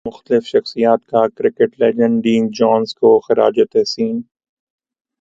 مختلف شخصیات کا کرکٹ لیجنڈ ڈین جونز کو خراج تحسین